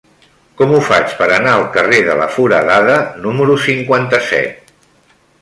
Com ho faig per anar al carrer de la Foradada número cinquanta-set?